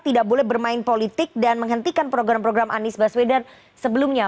tidak boleh bermain politik dan menghentikan program program anies baswedan sebelumnya